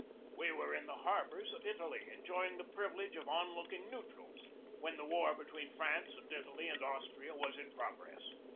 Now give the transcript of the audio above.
We were in the harbors of Italy, enjoying the privilege of onlooking neutrals, when the war be tween France and Italy and Austria was in progress.